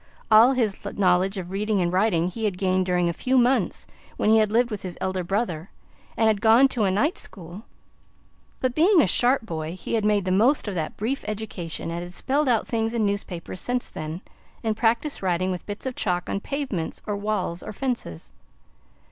All his knowledge of reading and writing he had gained during a few months, when he had lived with his elder brother, and had gone to a night school; but, being a sharp boy, he had made the most of that brief education, and had spelled out things in newspapers since then, and practiced writing with bits of chalk on pavements or walls or fences.